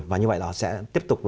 và như vậy nó sẽ tiếp tục